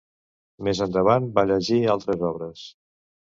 Més endavant va llegir altres obres.